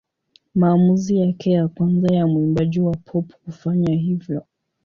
Maamuzi yake ya kwanza ya mwimbaji wa pop kufanya hivyo.